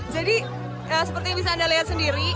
jadi seperti yang bisa anda lihat sendiri